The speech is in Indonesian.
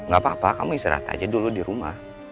gak apa apa kamu istirahat aja dulu di rumah